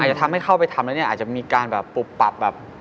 จะทำให้เข้าไปทำแล้วเนี่ยอาจจะมีการแบบปุบปับแบบ